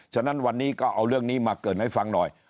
ฉะนั้นวันนี้ก็เอาเรื่องนี้มาเกิดให้ฟังหน่อย